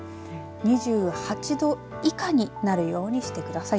２８度以下になるようにしてください。